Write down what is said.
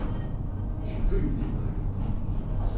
じっくり見ていただけると面白いと思います。